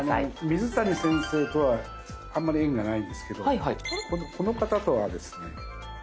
水谷先生とはあんまり縁がないんですけどこの方とはですね。